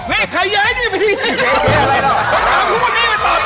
เนี่ยใครแยะอันนี้มาที่นี้